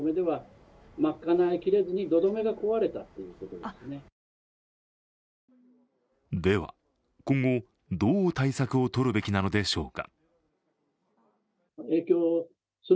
では今後、どう対策をとるべきなのでしょうか。